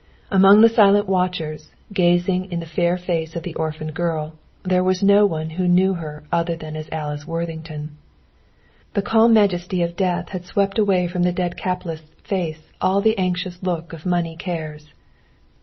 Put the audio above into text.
Among the silent watchers, gazing in the fair face of the orphaned girl, there was no one who knew her other than as Alice Worthington. The calm majesty of Death had swept away from the dead capitalist's face all the anxious look of money cares.